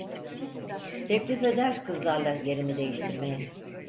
Teklif eder kızlarla yerini değiştirmeye…